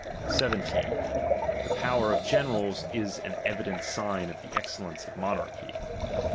17. The power of generals is an evident sign of the excellence of monarchy.